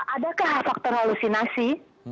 adakah faktor halusinasi